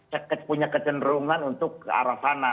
punya kecenderungan untuk ke arah sana